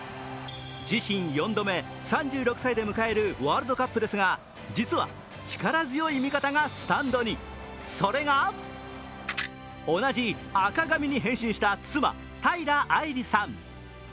自身４度目３６歳で迎えるワールドカップですが、実は力強い味方がスタンドに、それが同じ赤髪に変身した妻平愛梨さん。